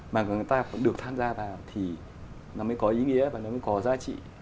mà người ta cũng được tham gia vào thì nó mới có ý nghĩa và nó mới có giá trị